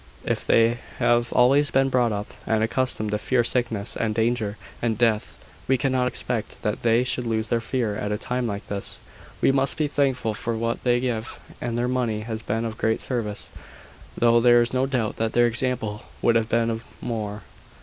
If they have always been brought up and accustomed to fear sickness, and danger, and death, we cannot expect that they should lose their fear at a time like this. We must be thankful for what they give; and their money has been of great service, though there is no doubt that their example would have been of more."